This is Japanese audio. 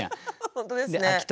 本当ですね。